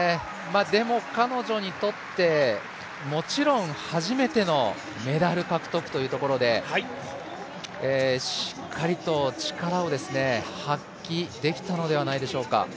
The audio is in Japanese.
でも彼女にとって、もちろん初めてのメダル獲得というところでしっかりと力を発揮できたのではないでしょうか。